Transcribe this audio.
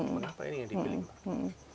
kenapa ini yang dipilih